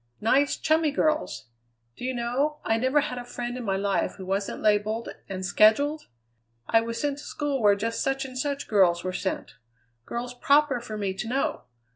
Nice, chummy girls. Do you know, I never had a friend in my life who wasn't labelled and scheduled? I was sent to school where just such and such girls were sent girls proper for me to know.